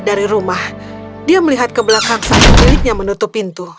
dia melihat ke belakang saat biliknya menutup pintu